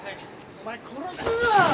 お前殺すぞ！